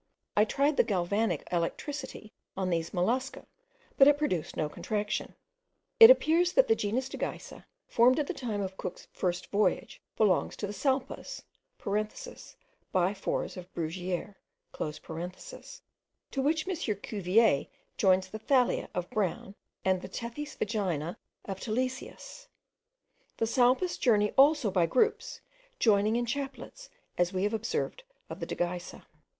I tried the galvanic electricity on these mollusca, but it produced no contraction. It appears that the genus dagysa, formed at the time of Cook's first voyage, belongs to the salpas (biphores of Bruguiere), to which M. Cuvier joins the Thalia of Brown, and the Tethys vagina of Tilesius. The salpas journey also by groups, joining in chaplets, as we have observed of the dagysa.